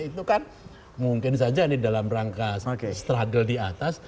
itu kan mungkin saja ini dalam rangka struggle di atas